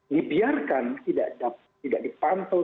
dibiarkan tidak dipantul